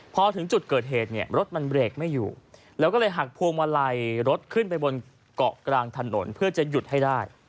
พอถึงจุดเกิดเหตุเนี่ยรถมันเบรกไม่อยู่แล้วก็เลยหักพวงมาลัยรถขึ้นไปบนเกาะกลางถนนเพื่อจะหยุดให้ได้